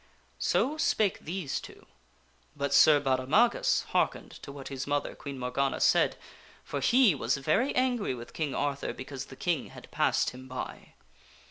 So spake these two ; but Sir Baudemagus hearkened to what his mother, Queen Morgana said, for he was very angry with King Arthur because the King had passed him by.